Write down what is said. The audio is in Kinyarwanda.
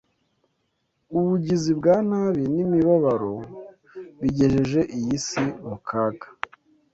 ubugizi bwa nabi, n’imibabaro bigejeje iyi si mu kaga.